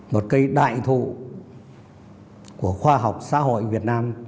một cây đại thụ của khoa học xã hội việt nam